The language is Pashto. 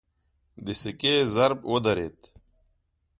د سکې ضرب ودرېد.